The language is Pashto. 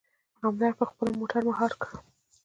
همدرد په خپله موټر مهار کړ.